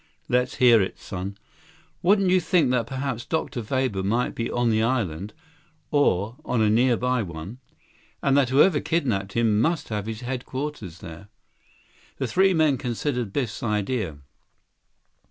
"Let's hear it, son." "Wouldn't you think that perhaps Dr. Weber might be on the island, or on a nearby one? And that whoever kidnaped him must have his headquarters there?" The three men considered Biff's idea.